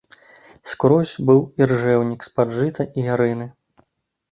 Скрозь быў іржэўнік з-пад жыта і ярыны.